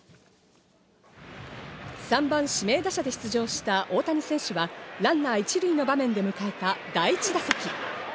３番指名打者で出場した大谷選手はランナー１塁の場面で迎えた第１打席。